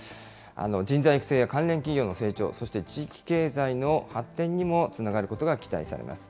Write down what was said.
人材育成や関連企業の成長、そして地域経済の発展にもつながることが期待されます。